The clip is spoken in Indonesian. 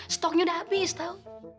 stoknya udah habis tau